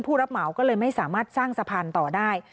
รับเหมาก็เลยไม่สามารถสร้างสะพานต่อได้